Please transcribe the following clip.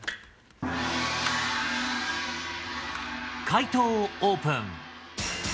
解答をオープン。